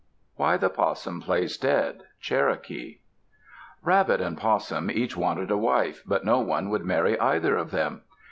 WHY THE POSSUM PLAYS DEAD Cherokee Rabbit and Possum each wanted a wife, but no one would marry either of them.